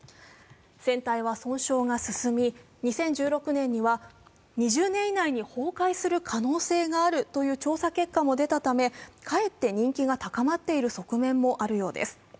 船体は損傷が進み、２０１６年には２０年以内に崩壊する可能性があるという調査結果も出たため、かえって人気が高まっている側面もあるようです。